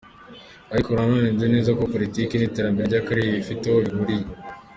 Ariko nanone nzi neza ko politiki n'iterambere ry'akarere bifite aho bihuriye.